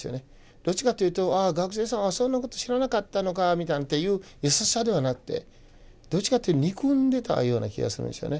どっちかというとああ学生さんはそんなこと知らなかったのかみたいなという優しさではなくてどっちかというと憎んでたような気がするんですよね。